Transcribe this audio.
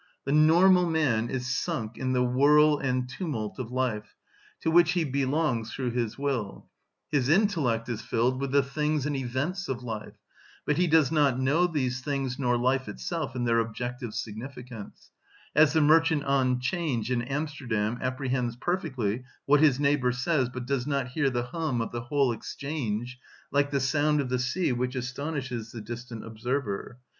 The normal man is sunk in the whirl and tumult of life, to which he belongs through his will; his intellect is filled with the things and events of life; but he does not know these things nor life itself in their objective significance; as the merchant on 'Change in Amsterdam apprehends perfectly what his neighbour says, but does not hear the hum of the whole Exchange, like the sound of the sea, which astonishes the distant observer.